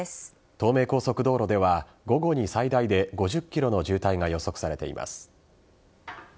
東名高速道路では午後に最大で５０ｋｍの渋滞が予測されています。